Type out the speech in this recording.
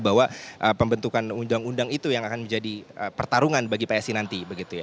bahwa pembentukan undang undang itu yang akan menjadi pertarungan bagi psi nanti